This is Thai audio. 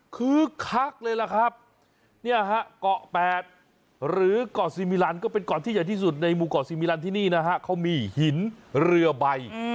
คือคักเลยล่ะครับเนี่ยฮะเกาะแปดหรือเกาะซีมิลันก็เป็นเกาะที่ใหญ่ที่สุดในหมู่เกาะซีมิลันที่นี่นะฮะเขามีหินเรือใบ